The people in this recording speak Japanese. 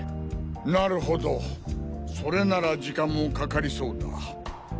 なるほどそれなら時間もかかりそうだ。